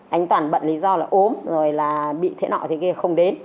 anh toàn bận lý do là ốm rồi là bị thế nọ thế kia không đến